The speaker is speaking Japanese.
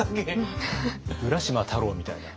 「浦島太郎」みたいな。